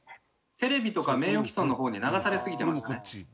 テレビとか名誉毀損の方に流されすぎてましたね。